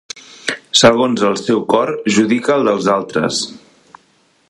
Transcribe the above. Segons el seu cor judica el dels altres.